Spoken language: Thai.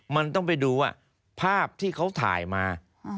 มันต้องไปดูว่าภาพที่เขาถ่ายมา